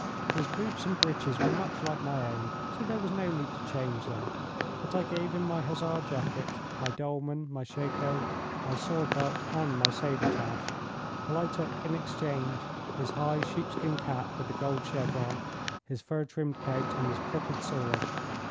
His boots and breeches were much like my own, so there was no need to change them, but I gave him my hussar jacket, my dolman, my shako, my sword belt, and my sabre tasche, while I took in exchange his high sheepskin cap with the gold chevron, his fur trimmed coat, and his crooked sword.